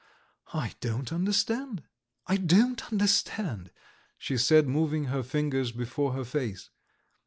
"I don't understand, I don't understand," she said, moving her fingers before her face.